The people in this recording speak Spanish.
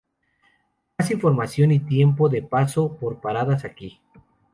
Más información y tiempo de paso por paradas aqui.